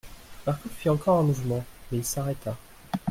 Marcof fit encore un mouvement, mais il s'arrêta.